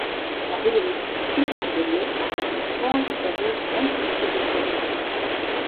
La ville fut fondé le par le vice-roi du Pérou Francisco de Toledo.